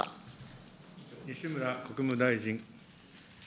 西村国務大臣。